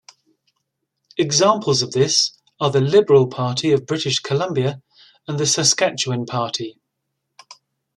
Examples of this are the Liberal Party of British Columbia and the Saskatchewan Party.